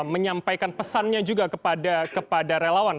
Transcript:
menyampaikan pesannya juga kepada relawan